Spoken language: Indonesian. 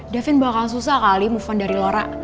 davin bakal susah kali move on dari lora